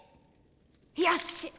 よし！